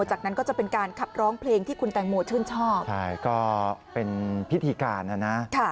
จากนั้นก็จะเป็นการขับร้องเพลงที่คุณแตงโมชื่นชอบใช่ก็เป็นพิธีการนะนะ